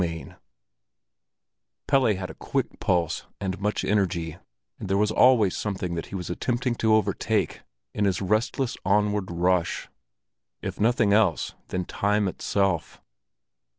VI Pelle had a quick pulse and much energy, and there was always something that he was attempting to overtake in his restless onward rush—if nothing else, then time itself.